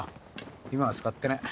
今は使ってねえ。